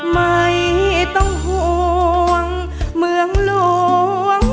ไม่ต้องห่วงเมืองหลวง